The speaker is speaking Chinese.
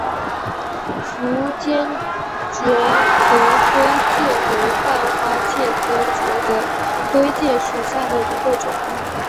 符坚角壳灰介为半花介科角壳灰介属下的一个种。